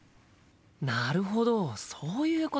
なるほどそういうことか。